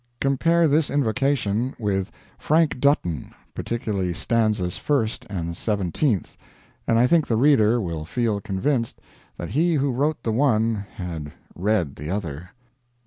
Compare this Invocation with "Frank Dutton" particularly stanzas first and seventeenth and I think the reader will feel convinced that he who wrote the one had read the other: I.